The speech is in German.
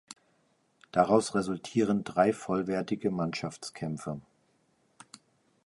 Daraus resultieren drei vollwertige Mannschaftskämpfe.